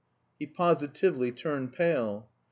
He positively turned pale.